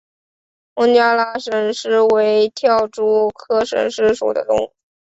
孟加拉蝇狮为跳蛛科蝇狮属的动物。